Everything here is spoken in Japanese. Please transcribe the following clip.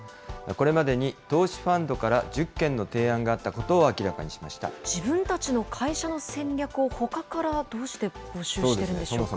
これまでに投資ファンドから１０件の提案があったことを明らかに自分たちの会社の戦略をほかから、どうして募集してるんでしょうか。